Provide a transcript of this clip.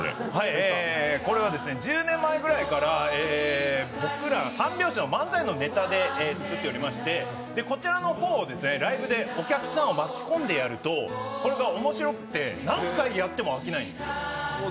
これは１０年前ぐらいから僕ら三拍子の漫才のネタで作っておりましてこちらの方をライブでお客さんを巻き込んでやるとこれが面白くて、何回やっても飽きないんです。